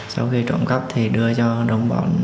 sau khi trộm cắp thì đưa cho đồng bọn